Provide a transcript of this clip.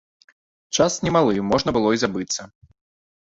Час немалы, можна было і забыцца.